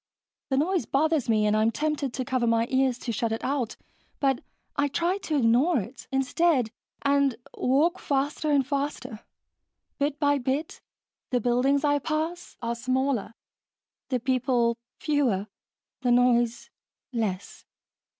The noise bothers me and I'm tempted to cover my ears to shut it out, but I try to ignore it, instead, and walk faster and faster. Bit by bit, the buildings I pass are smaller, the people fewer, the noise less.